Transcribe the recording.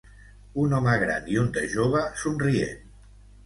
Un home gran i un de jove somrient.